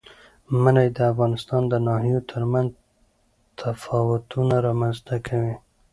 منی د افغانستان د ناحیو ترمنځ تفاوتونه رامنځ ته کوي.